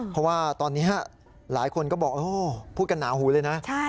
เพราะว่าตอนนี้หลายคนก็บอกพูดกันหนาหูเลยนะ